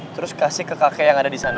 terus kasih ke kakek yang ada disana